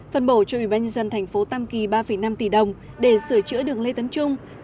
phân bổ cho ubnd thành phố tam kỳ ba năm tỷ đồng để sửa chữa đường lê tấn trung